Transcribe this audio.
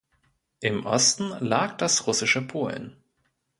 Im Osten lag das russische Polen.